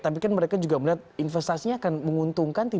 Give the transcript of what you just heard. tapi kan mereka juga melihat investasinya akan menguntungkan